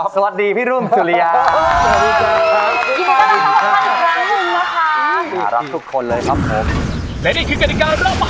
สวัสดีพี่รุ่งสุริยา